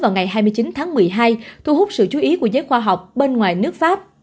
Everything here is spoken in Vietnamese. vào ngày hai mươi chín tháng một mươi hai thu hút sự chú ý của giới khoa học bên ngoài nước pháp